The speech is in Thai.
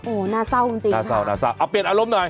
โอ้น่าเศร้าจริงค่ะน่าเศร้าอ่ะเปลี่ยนอารมณ์หน่อย